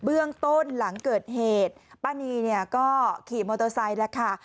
เบื้องต้นหลังเกิดเหตุป้านีเนี่ยก็ขี่มอเตอร์ไซค์แล้วค่ะ